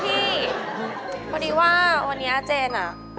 สวัสดีว่าวันนี้เจนอะ